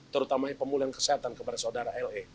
terutamanya pemulihan kesehatan kepada saudara la